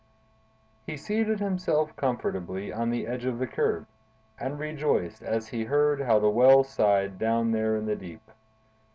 He seated himself comfortably on the edge of the curb, and rejoiced as he heard how the Well sighed down there in the deep.